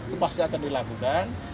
itu pasti akan dilakukan